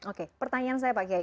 oke pertanyaan saya pak kiai